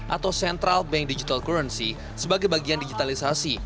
atau central bank digital currency sebagai bagian digitalisasi